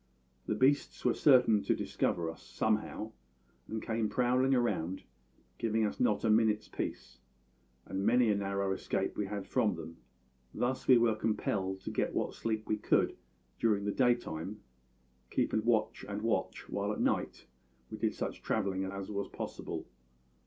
The beasts were certain to discover us, somehow, and came prowling round, giving us not a minute's peace; and many a narrow escape we had from them. Thus we were compelled to get what sleep we could during the day time, keeping watch and watch, while at night we did such travelling as was possible.